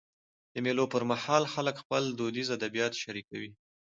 د مېلو پر مهال خلک خپل دودیز ادبیات شريکوي.